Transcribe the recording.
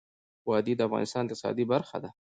وادي د افغانستان د اقتصاد برخه ده.